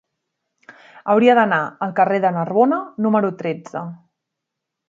Hauria d'anar al carrer de Narbona número tretze.